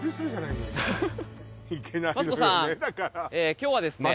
今日はですね